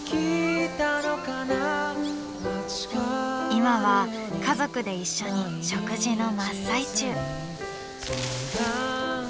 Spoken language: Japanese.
今は家族で一緒に食事の真っ最中。